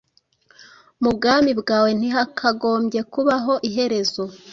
mu Bwami bwawe ntihakagombye kubaho iherezo